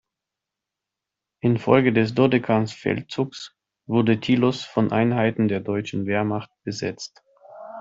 Infolge des Dodekanes-Feldzugs wurde Tilos von Einheiten der deutschen Wehrmacht besetzt.